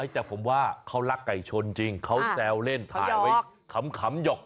แต่ผมว่าเขารักไก่ชนจริงเขาแซวเล่นถ่ายไว้ขำหยก